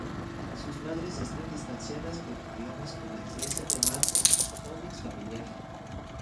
Sus madres están distanciadas por problemas con la empresa de mármol ónix familiar.